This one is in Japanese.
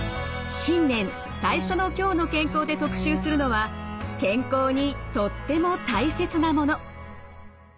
新年最初の「きょうの健康」で特集するのは健康にとっても大切なもの。